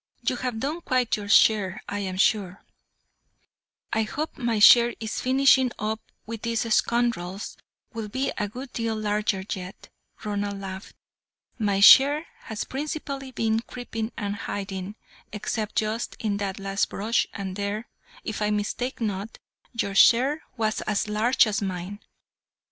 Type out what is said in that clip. "You have done quite your share, I am sure." "I hope my share in finishing up with these scoundrels will be a good deal larger yet," Ronald laughed. "My share has principally been creeping and hiding, except just in that last brush, and there, if I mistake not, your share was as large as mine.